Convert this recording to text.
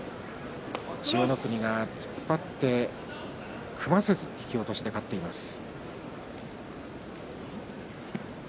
千代の国が突っ張って組ませず引き落としで勝ちました。